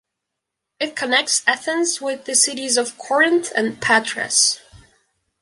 It connects Athens with the cities of Corinth and Patras.